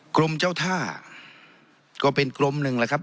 กรมเจ้าท่าก็เป็นกรมหนึ่งแหละครับ